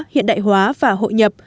hiện đại hóa và hội nhập